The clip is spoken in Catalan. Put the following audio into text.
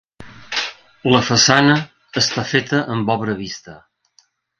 La façana està feta amb obra vista.